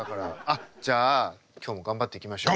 じゃあ今日も頑張っていきましょう。